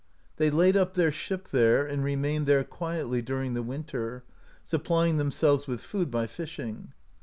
They laid up their ship there, and remained there quietly during the winter, supplying them selves with food by fishing.